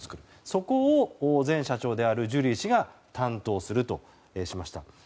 そこを前社長のジュリー氏が担当するとしました。